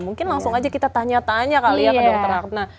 mungkin langsung aja kita tanya tanya kali ya ke dokter ratna